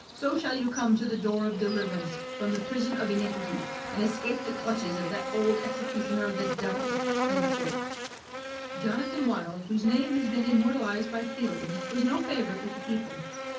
So shall you come to the door of deliverance from the prison of iniquity, and escape the clutches of that old executioner the devil!" Jonathan Wild, whose name has been immortalised by Fielding, was no favourite with the people.